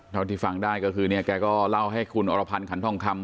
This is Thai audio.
เท่าที่ฟังได้ก็คือเนี่ยแกก็เล่าให้คุณอรพันธ์ขันทองคำ